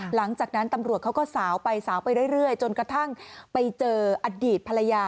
หลังจากนั้นตำรวจเขาก็สาวไปสาวไปเรื่อยจนกระทั่งไปเจออดีตภรรยา